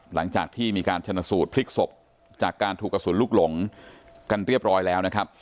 หลังจากที่มีการชนะสูตรพลิกศพจากการถูกกระสุนลูกหลงกันเรียบร้อยแล้วนะครับ